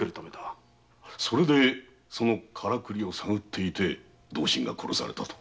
それでそのカラクリを探っていて同心が殺されたと。